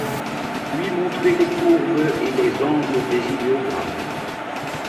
Lui montrer les courbes et les angles des idéogrammes.